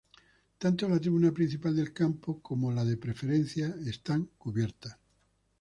Tanto la Tribuna principal del campo como la de Preferencia están cubiertas.